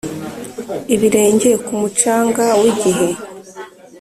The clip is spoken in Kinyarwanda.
ibirenge ku mucanga wigihe; -